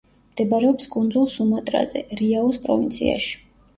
მდებარეობს კუნძულ სუმატრაზე, რიაუს პროვინციაში.